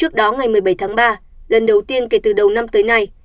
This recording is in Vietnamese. trước đó ngày một mươi bảy tháng ba lần đầu tiên kể từ đầu năm tới nay